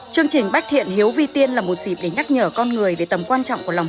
chương trình bách thiện hiếu vi tiên là một dịp để nhắc nhở con người về tầm quan trọng